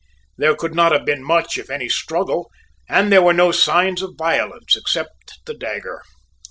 There could not have been much, if any, struggle, and there were no signs of violence, except the dagger.